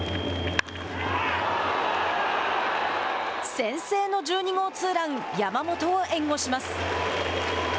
先制の１２号ツーランで山本を援護します。